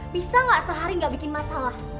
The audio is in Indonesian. bisa nggak sehari nggak bikin masalah